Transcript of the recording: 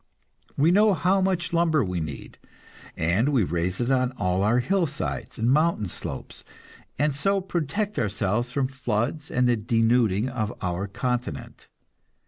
We know how much lumber we need, and we raise it on all our hillsides and mountain slopes, and so protect ourselves from floods and the denuding of our continent.